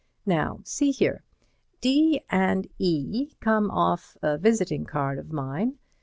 Now see here: "D and E come off a visiting card of mine.